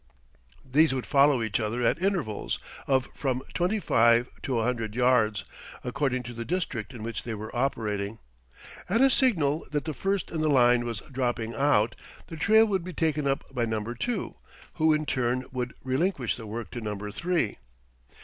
These would follow each other at intervals of from twenty five to a hundred yards, according to the district in which they were operating. At a signal that the first in the line was dropping out, the trail would be taken up by number two, who in turn would relinquish the work to number three.